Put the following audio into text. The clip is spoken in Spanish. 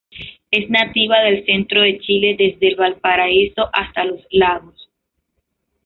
Es nativa del centro de Chile desde Valparaíso hasta Los Lagos.